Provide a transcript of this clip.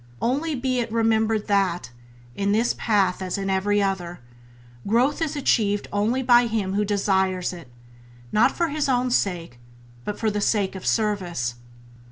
Only be it remembered that, in this path as in every other, growth is achieved only by him who desires it not for his own sake but for sake of service.